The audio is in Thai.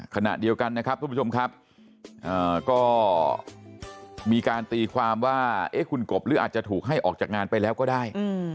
ขณะเดียวกันนะครับทุกผู้ชมครับก็มีการตีความว่าคุณกบหรืออาจจะถูกให้ออกจากงานไปแล้วก็ได้